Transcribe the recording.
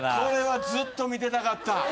これはずっと見てたかった。